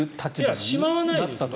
いや、しまわないですね。